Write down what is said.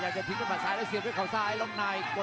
จังหวาดึงซ้ายตายังดีอยู่ครับเพชรมงคล